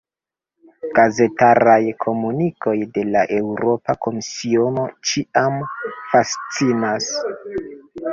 Gazetaraj komunikoj de la Eŭropa Komisiono ĉiam fascinas.